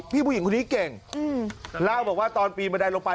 ผู้หญิงคนนี้เก่งเล่าบอกว่าตอนปีนบันไดลงไป